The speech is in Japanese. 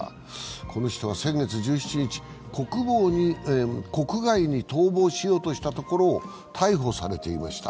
この人は先月１７日、国外に逃亡しようとしたところを逮捕されていました。